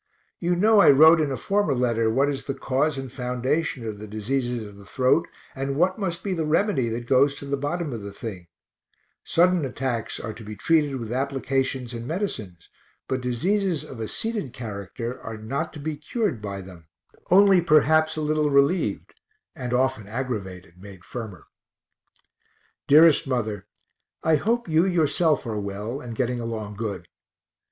You know I wrote in a former letter what is the cause and foundation of the diseases of the throat and what must be the remedy that goes to the bottom of the thing sudden attacks are to be treated with applications and medicines, but diseases of a seated character are not to be cured by them, only perhaps a little relieved (and often aggravated, made firmer). Dearest mother, I hope you yourself are well, and getting along good.